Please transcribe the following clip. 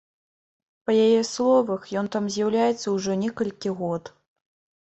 Па яе словах, ён там з'яўляецца ўжо некалькі год.